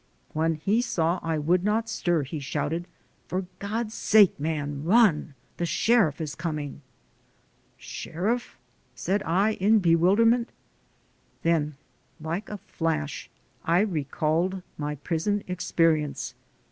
When he saw I would not stir he shouted: "For God's sake, man, run. The sheriff is coming." "Sheriff?" said I in bewilder ment. Then like a flash I recalled my prison expe rience.